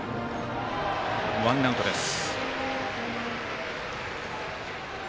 ワンアウトです。